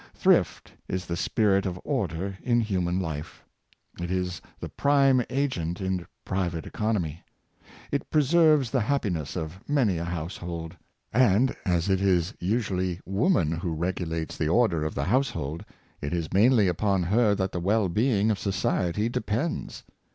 Thrift is the spirit of order in human life. It is the prime agent in private economy. It preserves the hap piness of many a household. And as it is usually wo man who regulates the order of the household, it is mainly upon her that the well being of society depends.